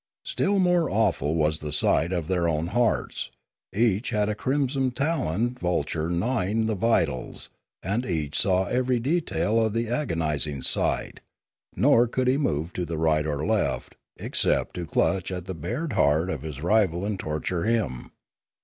Still more awful was the sight of their own hearts; each had a crimson taloned vulture gnawing the vitals, and each saw every detail of the agonising sight; nor could he move to the right or left except to cluch at the bared heart of his rival and torture him.